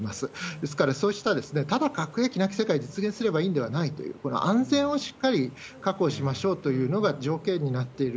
ですから、そうした、ただ核兵器なき世界を実現すればいいんではないという、この安全をしっかり確保しましょうというのが条件になっている。